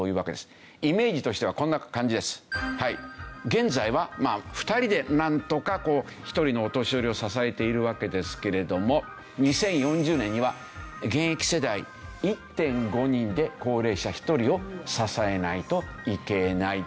現在は２人でなんとかこう１人のお年寄りを支えているわけですけれども２０４０年には現役世代１．５人で高齢者１人を支えないといけない。